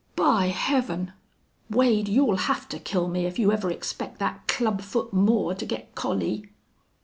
"By Heaven! Wade, you'll have to kill me if you ever expect that club foot Moore to get Collie!"